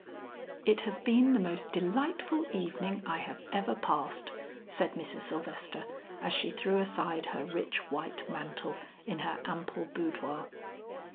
"It has been the most delightful evening I have ever passed," said Mrs. Sylvester, as she threw aside her rich white mantle in her ample boudoir.